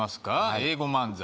英語漫才